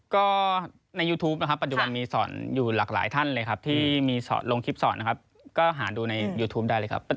ก็ในยูทูปนะครับปัจจุบันมีสอนอยู่หลากหลายท่านเลยครับที่มีลงคลิปสอนนะครับก็หาดูในยูทูปได้เลยครับ